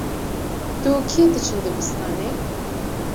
Tu û kî diçin dibistanê?